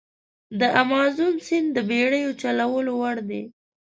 د امازون سیند د بېړیو چلولو وړ دی.